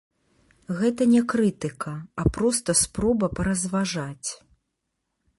Гэта не крытыка, а проста спроба паразважаць.